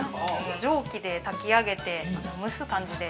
◆蒸気で炊き上げて、蒸す感じで。